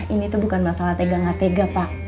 ini tuh bukan masalah tega ngatega pak